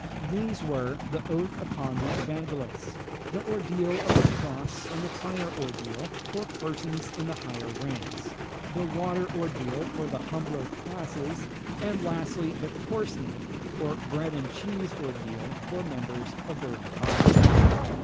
These were, the oath upon the evangelists; the ordeal of the cross and the fire ordeal, for persons in the higher ranks; the water ordeal, for the humbler classes; and, lastly, the corsned, or bread and cheese ordeal, for members of their own body.